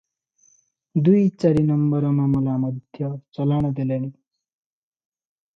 ଦୁଇ ଚାରି ନମ୍ବର ମାମଲା ମଧ୍ୟ ଚଲାଣ ଦେଲେଣି ।